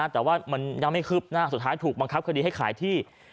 แต่ว่ามันยังไม่คืบหน้าสุดท้ายถูกบังคับคดีให้ขายที่